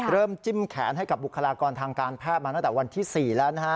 จิ้มแขนให้กับบุคลากรทางการแพทย์มาตั้งแต่วันที่๔แล้วนะฮะ